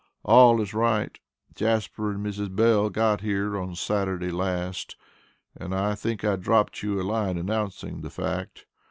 All is right. Jasper and Mrs. Bell got here on Saturday last, and I think I dropt you a line announcing the fact.